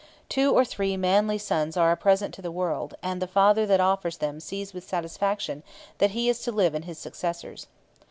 Two or three manly sons are a present to the world, and the father that offers them sees with satisfaction that he is to live in his successors.'